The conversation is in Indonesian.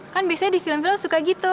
kan biasanya di film film suka gitu